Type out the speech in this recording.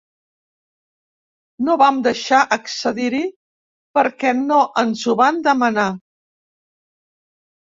No vam deixar accedir-hi perquè no ens ho van demanar.